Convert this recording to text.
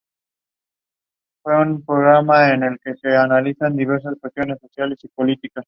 Para Gabriel Jackson, el autor de la carta fue únicamente Gomá.